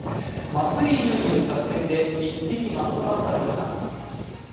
麻酔銃による作戦で１匹が捕獲されました。